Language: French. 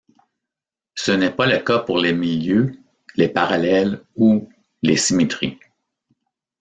Ce n'est pas le cas pour les milieux, les parallèles ou les symétries.